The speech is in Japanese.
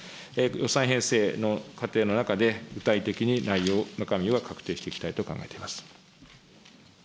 予算編成の過程の中で、具体的に内容、中身は確定していきたいと考えております。